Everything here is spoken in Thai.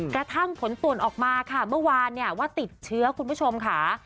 กระทั่งผลตรวจออกมาค่ะเมื่อวานว่าติดเชื้อคุณผู้ชมค่ะ